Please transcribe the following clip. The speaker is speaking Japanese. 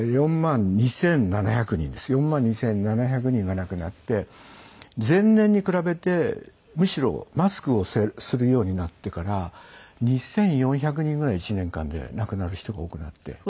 ４万２７００人が亡くなって前年に比べてむしろマスクをするようになってから２４００人ぐらい１年間で亡くなる人が多くなって。